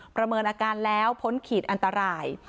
ประเมินอาการแล้วพ้นขีดอันตราย